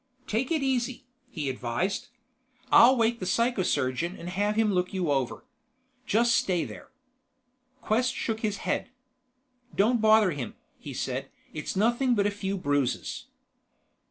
"Take it easy," he advised. "I'll wake the psychosurgeon and have him look you over. Just stay there." Quest shook his head. "Don't bother him," he said. "It's nothing but a few bruises."